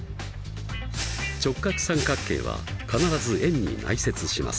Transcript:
直角三角形は必ず円に内接します。